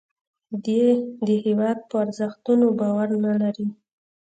دی د هیواد په ارزښتونو باور نه لري